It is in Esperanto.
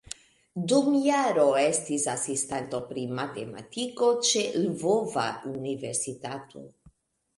Dum jaro estis asistanto pri matematiko ĉe Lvova Universitato.